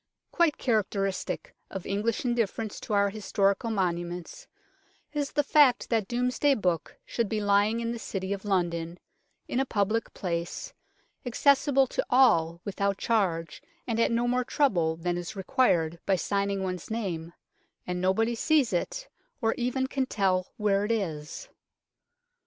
Quite characteristic of English indifference to our historical monuments is the fact that Domesday Book should be lying in the City of London, in a public place, accessible to all without charge, and at no more trouble than is required by signing one's name and nobody sees it, or even can tell where it is.